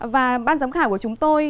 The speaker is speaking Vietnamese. và ban giám khảo của chúng tôi